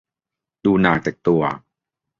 ดูนางแต่งตัว